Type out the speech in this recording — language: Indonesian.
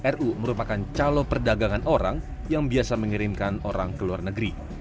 ru merupakan calon perdagangan orang yang biasa mengirimkan orang ke luar negeri